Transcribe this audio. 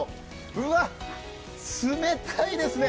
うわ、冷たいですね。